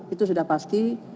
itu sudah pasti